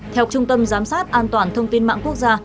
theo trung tâm giám sát an toàn thông tin mạng quốc gia